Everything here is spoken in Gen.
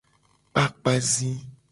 Kpakpa zi.